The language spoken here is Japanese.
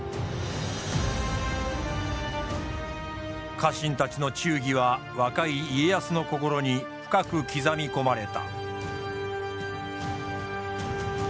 家臣たちの忠義は若い家康の心に深く刻み込まれた。